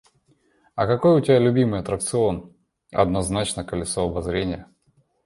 «А какой у тебя любимый аттракцион?» — «Одназначно колесо обозрения!»